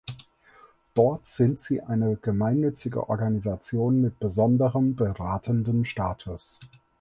Dort sind sie eine gemeinnützige Organisation mit besonderem beratenden Status.